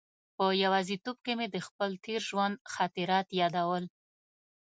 په یوازې توب کې مې د خپل تېر ژوند خاطرات یادول.